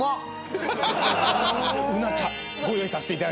うな茶ご用意させていただきました。